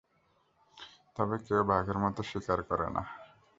তবে কেউ বাঘের মতো শিকার করে না।